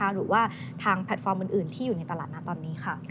หรือว่าทางแพลตฟอร์มอื่นที่อยู่ในตลาดนะตอนนี้ค่ะ